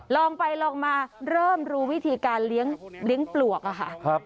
ลองไปลองมาเริ่มรู้วิธีการเลี้ยงปลวกค่ะ